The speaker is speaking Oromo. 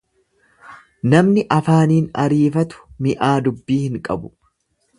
Namni afaaniin ariifatu mi'aa dubbii hin qabu.